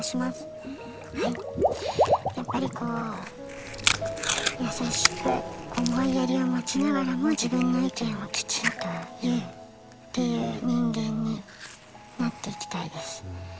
やっぱりこう優しく思いやりを持ちながらも自分の意見をきちんと言うっていう人間になっていきたいです。